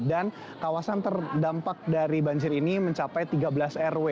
dan kawasan terdampak dari banjir ini mencapai tiga belas rw